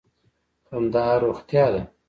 خندا روغتیا ده.